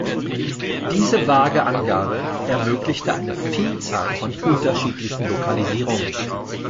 Diese vage Angabe ermöglichte eine Vielzahl von unterschiedlichen Lokalisierungen.